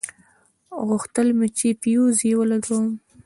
غوښتل مې چې فيوز يې ولګوم.